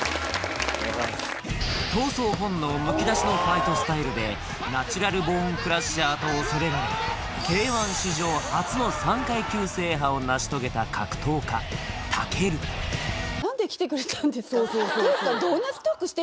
闘争本能むき出しのファイトスタイルでナチュラル・ボーン・クラッシャーと恐れられＫ−１史上初の３階級制覇を成し遂げた格闘家武尊そうそうそうそう